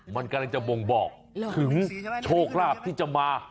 มันกำลังจะบ่งบอกถึงโชคลาภที่จะมา